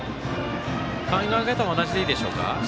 考え方は同じでいいでしょうか？